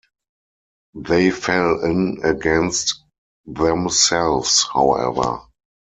They fell in against themselves, however.